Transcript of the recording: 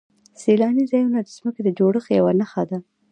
سیلاني ځایونه د ځمکې د جوړښت یوه نښه ده.